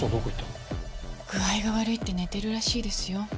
具合が悪いって寝てるらしいですよ。